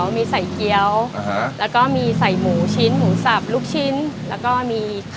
แล้วก็มี